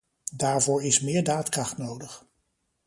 Daarvoor is meer daadkracht nodig.